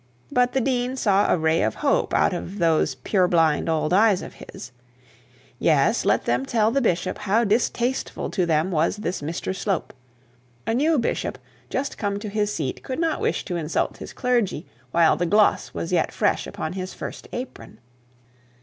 But the dean saw a ray of hope out of those purblind old eyes of his. Yes, let them tell the bishop how distasteful to them was this Mr Slope: new bishop just come to his seat could not wish to insult his clergy while the gloss was yet fresh on his first apron.